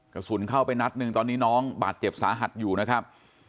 กระสุนเข้าไปนัดหนึ่งตอนนี้น้องบาดเจ็บสาหัสอยู่นะครับ